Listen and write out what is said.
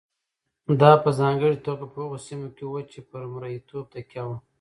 دا په ځانګړې توګه په هغو سیمو کې وه چې پر مریتوب تکیه وه.